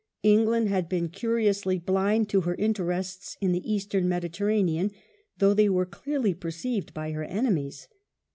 England had been curiously blind to her interests in the Eastern Medi terranean, though they were clearly perceived by her enemies.